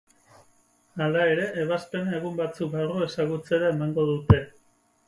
Hala ere, ebazpena egun batzuk barru ezagutzera emango dute.